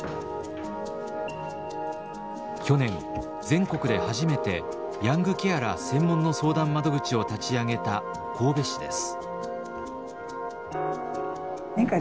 去年全国で初めてヤングケアラー専門の相談窓口を立ち上げた神戸市です。